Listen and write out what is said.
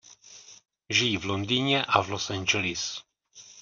Žijí v Londýně a v Los Angeles.